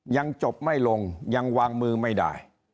ยังจบไม่ลงยังวางมือไม่ได้